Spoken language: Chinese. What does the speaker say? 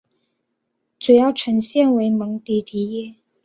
主要城镇为蒙迪迪耶。